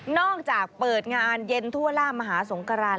อกจากเปิดงานเย็นทั่วล่ามหาสงคราน